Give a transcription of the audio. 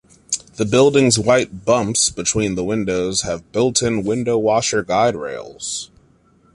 The building's white 'bumps' between the windows have built in window-washer guide rails.